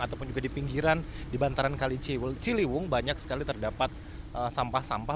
ataupun juga di pinggiran di bantaran kali ciliwung banyak sekali terdapat sampah sampah